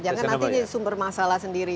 jangan nanti ini sumber masalah sendiri